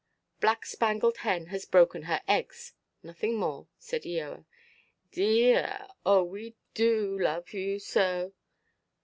"Black–spangled hen has broken her eggs. Nothing more," said Eoa. "De–ar, oh we do love you so!"